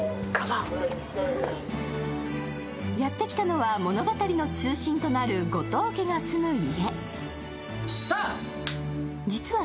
やってきたのは、物語の中心となる後藤家が住む家。